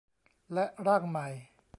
และร่างใหม่